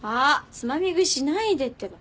つまみ食いしないでってば。